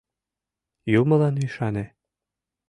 Юмылан ӱшане.